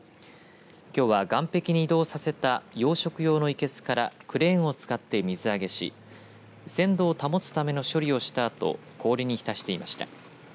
きょうは岸壁に移動させた養殖用の生けすからクレーンを使って水揚げし鮮度を保つための処理をしたあと氷に浸していました。